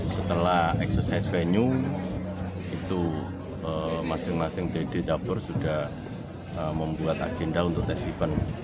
setelah eksosias venue itu masing masing tiga d chapter sudah membuat agenda untuk tesipan